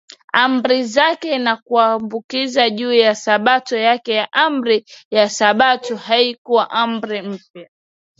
Amri zake na kuwakumbusha juu ya Sabato yake Amri ya Sabato haikuwa Amri mpya